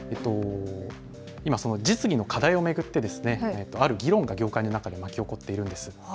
今、その実技の課題を巡ってある議論が業界の中で巻き起こっているんです。